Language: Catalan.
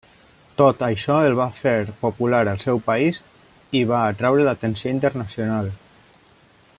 Tot això el va fer popular al seu país i va atreure l'atenció internacional.